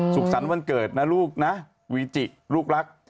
สุขสรรค์วันเกิดนะลูกนะวีจิลูกรัก